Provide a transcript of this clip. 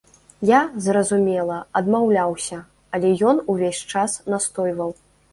Я, зразумела, адмаўляўся, але ён увесь час настойваў.